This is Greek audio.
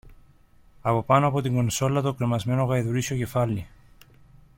Από πάνω από την κονσόλα το κρεμασμένο γαϊδουρίσιο κεφάλι